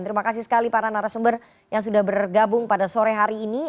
terima kasih sekali para narasumber yang sudah bergabung pada sore hari ini